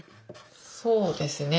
そうですね。